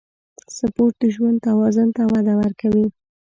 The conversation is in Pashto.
سپورت د ژوند توازن ته وده ورکوي.